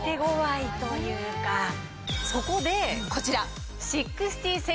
そこでこちら。